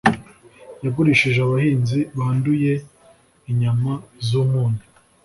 yagurishije abahinzi banduye inyama zumunyu